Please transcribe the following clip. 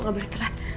aku gak boleh telat